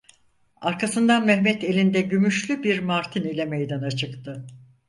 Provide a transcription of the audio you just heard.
Arkasından Mehmet elinde gümüşlü bir martin ile meydana çıktı.